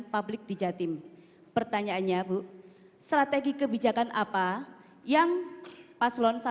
publik di jatim pertanyaannya bu strategi kebijakan apa yang paslon satu